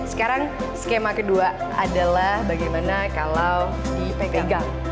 sekarang skema kedua adalah bagaimana kalau dipegang